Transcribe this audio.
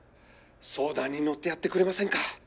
相談に乗ってやってくれませんか？